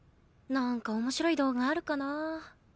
なんか面白い動画あるかな。